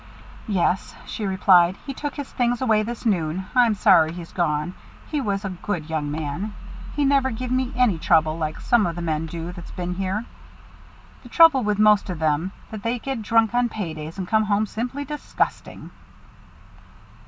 "Yes," she replied; "he took his things away this noon. I'm sorry he's gone, for he was a good young man. He never give me any trouble like some of the men do that's been here. The trouble with most of them is that they get drunk on pay days and come home simply disgusting."